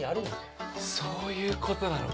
そういう事なのか。